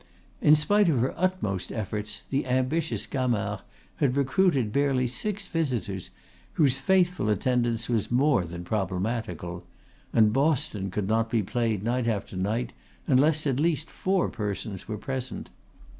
In spite of her utmost efforts the ambitious Gamard had recruited barely six visitors, whose faithful attendance was more than problematical; and boston could not be played night after night unless at least four persons were present.